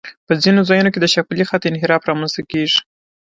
په ځینو ځایونو کې د شاقولي خط انحراف رامنځته کیږي